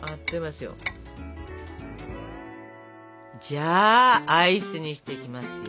じゃあアイスにしていきますよ！